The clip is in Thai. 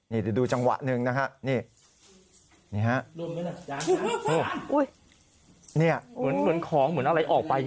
เดี๋ยวดูจังหวะหนึ่งนะฮะนี่ฮะ